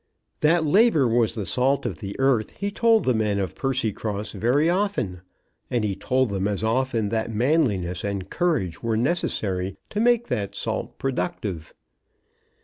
That labour was the salt of the earth he told the men of Percycross very often; and he told them as often that manliness and courage were necessary to make that salt productive.